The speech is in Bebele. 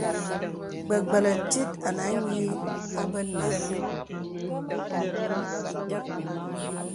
Gbə̀gbə̀lə̀ tìt ànə a nyì abə nà.